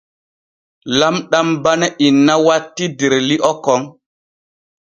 Lamɗam bane inna watti der li’o kon.